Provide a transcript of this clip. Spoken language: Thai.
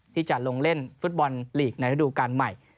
ที่จะลงเล่นฟุตบอลลีกในฤดูการใหม่